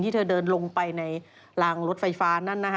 ที่เธอเดินลงไปในรางรถไฟฟ้านั่น